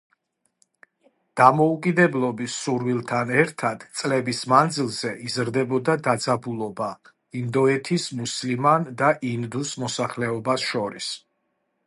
დამოუკიდებლობის სურვილთან ერთად წლების მანძილზე იზრდებოდა დაძაბულობა ინდოეთის მუსლიმან და ინდუს მოსახლეობას შორის.